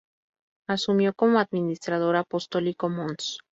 Asumió como Administrador Apostólico mons.